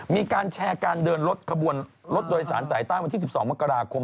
มีการแชร์การเดินรถขบวนรถโดยสารสายใต้วันที่๑๒มกราคม